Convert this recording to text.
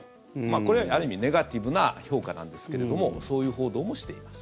これはある意味ネガティブな評価なんですけどそういう報道もしています。